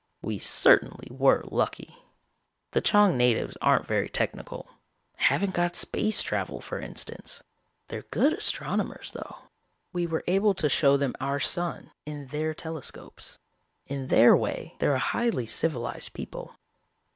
We certainly were lucky. "The Chang natives aren't very technical haven't got space travel for instance. They're good astronomers, though. We were able to show them our sun, in their telescopes. In their way, they're a highly civilized people.